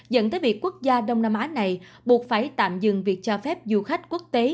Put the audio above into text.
dẫn tới việc quốc gia đông nam á này buộc phải tạm dừng việc cho phép du khách quốc tế